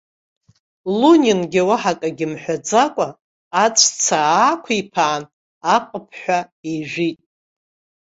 Лунингьы, уаҳа акгьы мҳәаӡакәа, аҵәца аақәиԥаан аҟыԥҳәа ижәит.